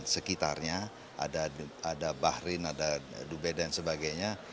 sekitarnya ada bahrain ada dubai dan sebagainya